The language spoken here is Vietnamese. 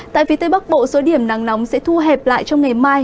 tại phía tây bắc bộ số điểm nắng nóng sẽ thu hẹp lại trong ngày mai